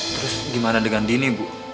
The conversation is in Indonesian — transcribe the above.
terus gimana dengan dini bu